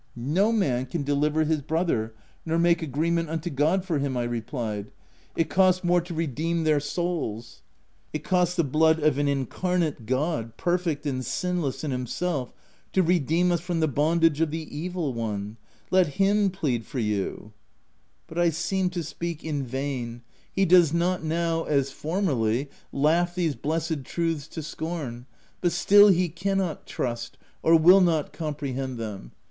"* No man can deliver his brother, nor make agreement unto God for him/ I replied : Cf it cost more to redeem their souls" — it cost the blood of an incarnate God, perfect and sinless in himself, to redeem us from the bondage of the evil one ;— let Him plead for you/ <( But I seem to speak in vain. He does OF WILDFELL HALL. 249 not now, as formerly, laugh these blessed truths to scorn : but still he cannot trust, or will not comprehend them.